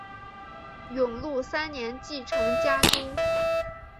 永禄三年继承家督。